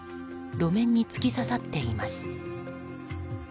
路面に突き刺さっています。